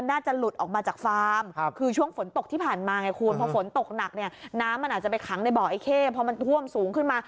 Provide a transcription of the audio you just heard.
อาจจะไปขังในเบาะไอ้เข้พอมันห่วมสูงขึ้นมา